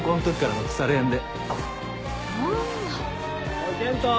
おい健人。